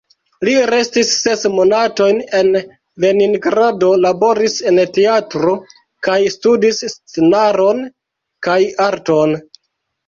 Li restis ses monatojn en Leningrado, laboris en teatro kaj studis scenaron kaj arton.